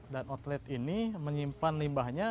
dan outlet ini menyimpan limbahnya